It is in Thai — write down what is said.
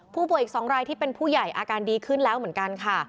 ผู้ป่วยอีก๒รายที่เป็นผู้ใหญ่อาการดีขึ้นแล้วเหมือนกันค่ะ